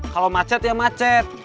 kalau macet ya macet